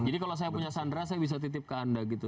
jadi kalau saya punya sandera bisa saya titip ke anda gitu